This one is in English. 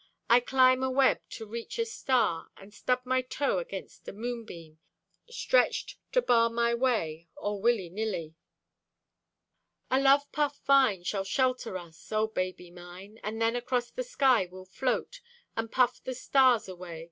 I climb a web to reach a star, And stub my toe against a moonbeam Stretched to bar my way, Oh, willynilly. A love puff vine shall shelter us, Oh, baby mine; And then across the sky we'll float And puff the stars away.